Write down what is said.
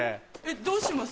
どうします？